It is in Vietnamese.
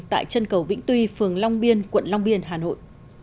tại chân cầu vĩnh tuy phường long biên quận long biên hà nội